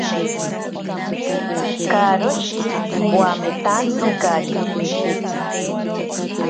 Karoshi wametantsinkari.